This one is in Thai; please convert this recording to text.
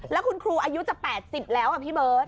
แล้วคุณครูอายุจะ๘๐แล้วพี่เบิร์ต